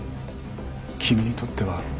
君にとっては。